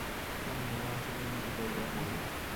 আমি আমার অংশ থেকে কিছু করব আর মরব।